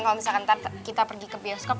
kalau misalkan kita pergi ke bioskop